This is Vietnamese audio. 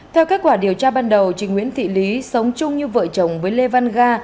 theo kết quả điều tra ban đầu chị nguyễn thị lý sống chung như vợ chồng với lê văn ga